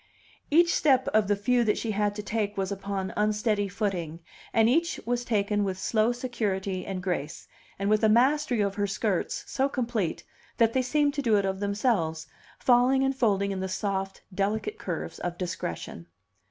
Each step of the few that she had to take was upon unsteady footing, and each was taken with slow security and grace, and with a mastery of her skirts so complete that they seemed to do it of themselves, falling and folding in the soft, delicate curves of discretion.